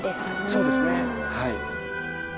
そうですねはい。